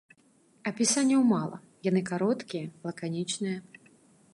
Апісанняў мала, яны кароткія, лаканічныя.